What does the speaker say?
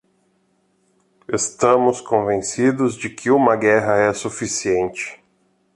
Estamos convencidos de que uma guerra é suficiente.